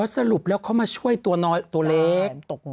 สรุปแล้วเขามาช่วยตัวเล็ก